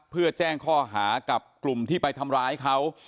เพื่อแจ้งข้อหากับกลุ่มที่ไปทำร้ายเขา